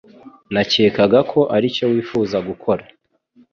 Nakekaga ko aricyo wifuza gukora.